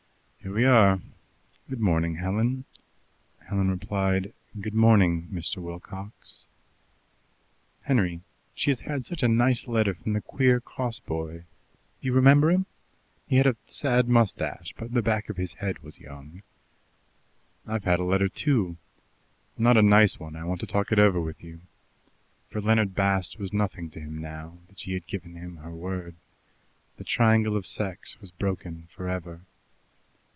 "Here we are. Good morning, Helen." Helen replied, "Good morning, Mr. Wilcox." "Henry, she has had such a nice letter from the queer, cross boy Do you remember him? He had a sad moustache, but the back of his head was young." "I have had a letter too. Not a nice one I want to talk it over with you:" for Leonard Bast was nothing to him now that she had given him her word; the triangle of sex was broken for ever.